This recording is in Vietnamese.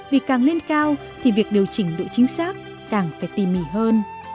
vì càng lên cao thì việc điều chỉnh độ chính xác càng phải tỉ mỉ hơn